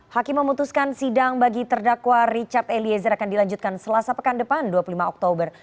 hakim memutuskan sidang bagi terdakwa richard eliezer akan dilanjutkan selasa pekan depan dua puluh lima oktober